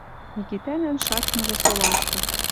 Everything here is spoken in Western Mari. Микитӓнӓн шачмыжы солашты